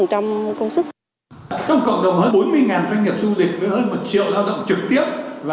trong cộng đồng hơn bốn mươi doanh nghiệp du lịch với hơn một triệu lao động trực tiếp và